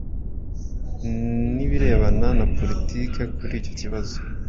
nibirebana na poritiki kuri icyo kibazo.